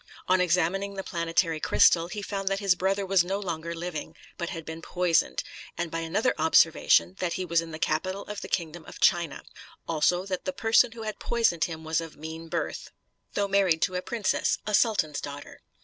On examining the planetary crystal, he found that his brother was no longer living, but had been poisoned; and by another observation, that he was in the capital of the kingdom of China; also that the person who had poisoned him was of mean birth, though married to a princess, a sultan's daughter.